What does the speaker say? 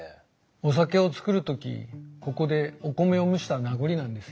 お酒を造る時ここでお米を蒸した名残なんですよ。